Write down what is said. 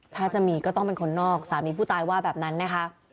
ถ้าจะมีก็ต้องเป็นคนนอกสามีผู้ตายว่าแบบนั้นนะคะ